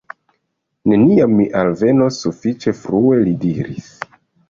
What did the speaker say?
Neniam mi alvenos sufiĉe frue, li diris.